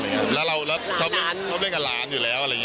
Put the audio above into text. แล้วเราชอบเล่นกับหลานอยู่แล้ว